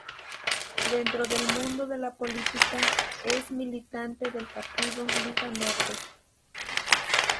Dentro del mundo de la política es militante del partido, Liga Norte.